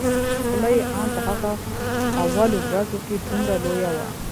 خوله يې ان په هغه اولو ورځو کښې دومره لويه وه.